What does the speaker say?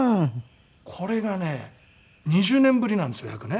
これがね２０年ぶりなんですよ約ね。